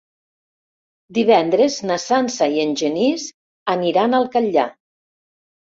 Divendres na Sança i en Genís aniran al Catllar.